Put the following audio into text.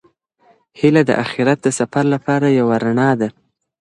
هیله د اخیرت د سفر لپاره یو رڼا ده.